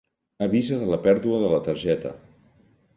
Avisa de la pèrdua de la targeta.